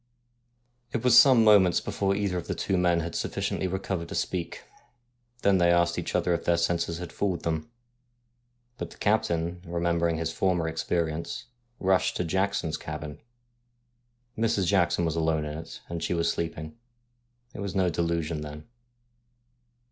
It was some moments before either of the two men had sufficiently recovered to speak. Then they asked each other if their senses had fooled them. But the captain, remember ing his former experience, rushed to Jackson's cabin. Mrs. Jackson alone was in it, and she was sleeping. It was no delusion then.